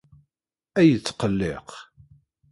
Ay yettqelliq.